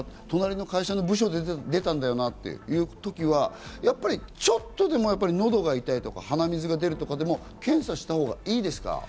隣の会社の部署で出たんだよなっていうときは、ちょっとでも喉が痛いとか、鼻水が出るとかでも検査したほうがいいですか？